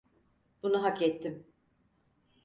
Bunu hakettim.